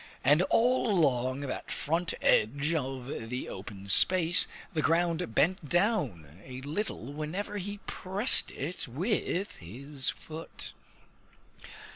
And all along that front edge of the open space the ground bent down a little wherever he pressed it with his foot.